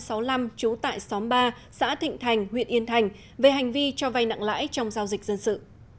công an huyện yên thành xã thịnh thành huyện yên thành về hành vi cho vay nặng lãi trong giao dịch dân sự